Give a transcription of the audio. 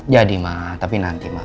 jadi mak tapi nanti mak